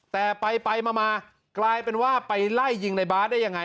แต่ไปมากลายเป็นว่าไปไล่ยิงในบาร์ดได้ยังไง